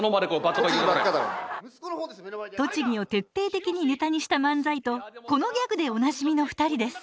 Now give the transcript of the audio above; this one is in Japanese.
栃木を徹底的にネタにした漫才とこのギャグでおなじみの２人です